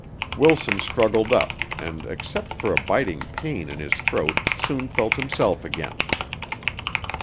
Wilson struggled up and, except for a biting pain in his throat, soon felt himself again.